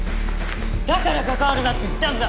だから関わるなって言ったんだ！